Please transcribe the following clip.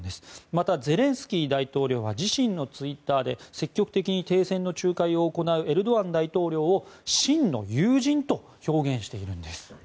また、ゼレンスキー大統領が自身のツイッターで積極的に停戦の仲介を行うエルドアン大統領を真の友人と表現しているんです。